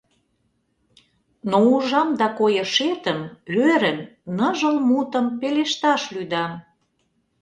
Но ужам да койышетым, ӧрын, Ныжыл мутым пелешташ лӱдам.